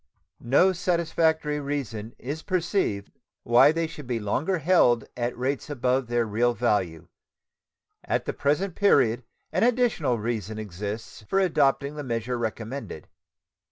No satisfactory reason is perceived why they should be longer held at rates above their real value. At the present period an additional reason exists for adopting the measure recommended.